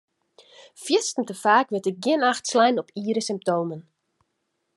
Fierstente faak wurdt gjin acht slein op iere symptomen.